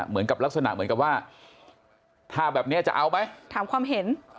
เหมือนกับลักษณะเหมือนกับว่าถ้าแบบนี้จะเอาไหมถามความเห็น